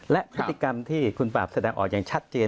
และพฤติกรรมที่คุณปราบแสดงออกอย่างชัดเจน